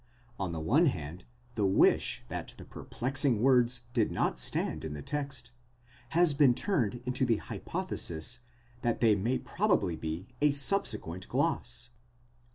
On the one hand, the wish that the perplexing words did not stand in the text, has been turned into the hypothesis that they may probably be a subsequent gloss.